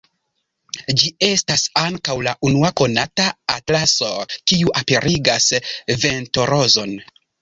Ĝi estas ankaŭ la unua konata atlaso kiu aperigas ventorozon.